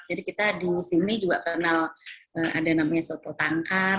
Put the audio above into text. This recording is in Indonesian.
jadi kita disini juga kenal ada namanya soto tangkar